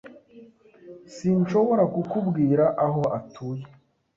Sinshobora kukubwira aho atuye.